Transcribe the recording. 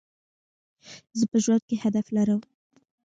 زه په ژوند کي هدف لرم.